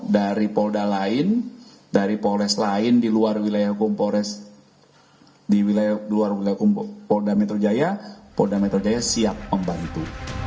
dari polda lain dari polres lain di luar wilayah hukum polda metro jaya polda metro jaya siap membantu